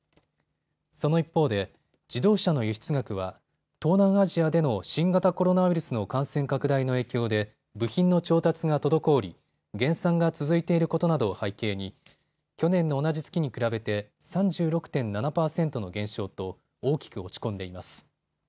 その一方で自動車の輸出額は東南アジアでの新型コロナウイルスの感染拡大の影響で部品の調達が滞り減産が続いていることなどを背景に去年の同じ月に比べて３６．７％の減少と大きく落ち込んでいます。